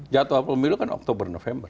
jadwal pemilu kan oktober november